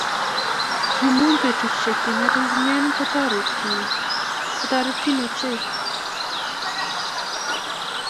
Kimuny betushiek chengering kotoretin ochei